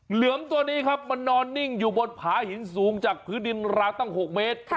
เหลือมตัวนี้ครับมันนอนนิ่งอยู่บนผาหินสูงจากพื้นดินราวตั้ง๖เมตร